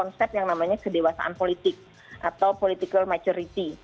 namanya kedewasaan politik atau political maturity